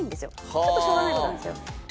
ちょっとしょうがない事なんですけど。